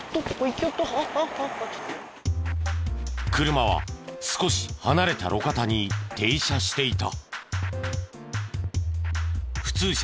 車は少し離れた路肩に停車していた。